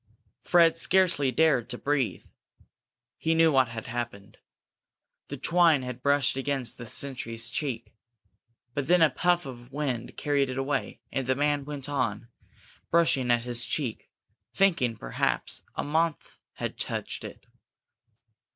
Fred scarcely dared to breathe. He knew what had happened. The twine had brushed against the sentry's cheek. But then a puff of wind carried it away, and the man went on, brushing at his cheek, thinking, perhaps, a moth had touched it.